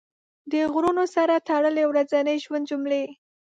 د غرونو سره تړلې ورځني ژوند جملې